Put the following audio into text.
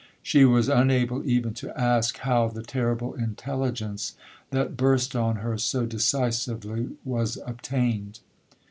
She was unable even to ask how the terrible intelligence that burst on her so decisively, was obtained.